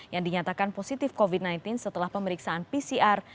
yang dinyatakan positif covid sembilan belas setelah pemeriksaan pcr